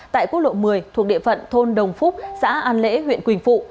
tại quốc lộ một mươi thuộc địa phận thôn đồng phúc xã an lễ huyện quỳnh phụ